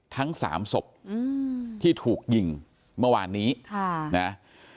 ทั้งสามศพที่ถูกยิงเมื่อวานนี้ท่า